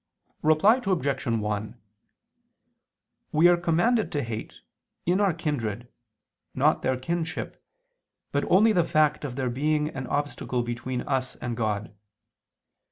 Reply Obj. 1: We are commanded to hate, in our kindred, not their kinship, but only the fact of their being an obstacle between us and God.